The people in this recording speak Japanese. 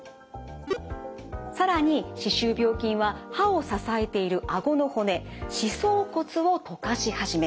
更に歯周病菌は歯を支えているあごの骨歯槽骨を溶かし始めます。